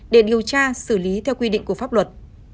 để điều tra xử lý theo quy định của pháp luật